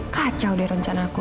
kacau dari rencanaku